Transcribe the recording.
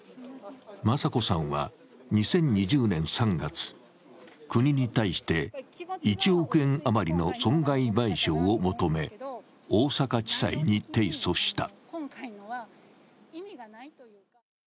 雅子さんは２０２０年３月、国に対して１億円余りの損害賠償を求め大阪地裁に提訴した。